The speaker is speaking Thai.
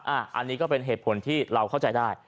อันนี้ก็เป็นเหตุผลที่เราเข้าใจได้